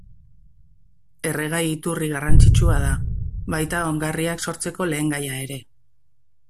Erregai-iturri garrantzitsua da, baita ongarriak sortzeko lehengaia ere.